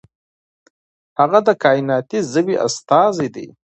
هغه د کائناتي ژبې استازی دی.